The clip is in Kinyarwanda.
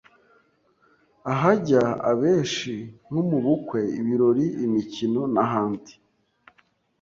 ahajya abeshi nko mu bukwe, ibirori, imikino n’ahandi,